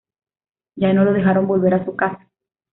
Ya no la dejaron volver a su casa.